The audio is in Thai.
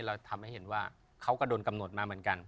เราทำให้เห็นว่าเขาก็โดนกำหนดมาเหมือนกัน